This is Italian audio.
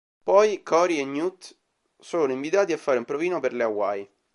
Poi Cory e Newt sono invitati a fare un provino per le Hawaii.